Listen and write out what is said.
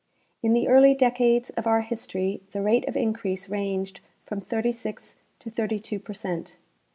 In the early decades of our history the rate of increase ranged from 36 to 32 per cent.